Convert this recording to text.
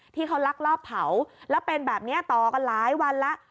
ที่เขาลักลอบเผาแล้วเป็นแบบนี้ต่อกันหลายวันแล้ว